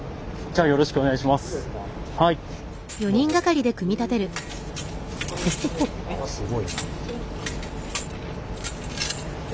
あすごい。